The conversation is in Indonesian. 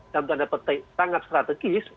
dalam tanda petik sangat strategis